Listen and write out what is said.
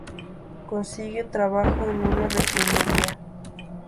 Consigue trabajo en una refinería.